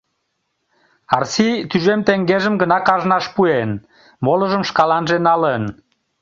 Арси тӱжем теҥгежым гына кажнаш пуэн, молыжым шкаланже налын.